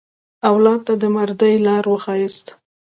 اولاد ته د مردۍ لاره وښیاست.